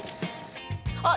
あっ！